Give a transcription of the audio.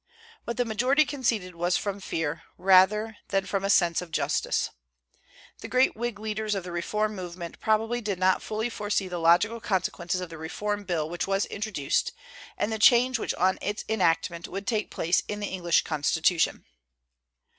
What the majority conceded was from fear, rather than from a sense of justice. The great Whig leaders of the reform movement probably did not fully foresee the logical consequences of the Reform Bill which was introduced, and the change which on its enactment would take place in the English Constitution.